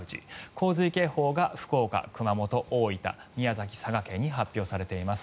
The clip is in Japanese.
洪水警報が福岡、熊本、大分宮崎、佐賀県に発表されています。